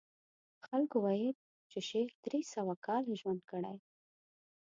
خلکو ویل چې شیخ درې سوه کاله ژوند کړی.